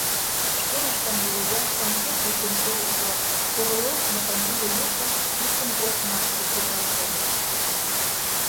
Шкеныштын Володяштым чот вучен шогышо Королёвмытын уло ешышт писын окнашке керылте.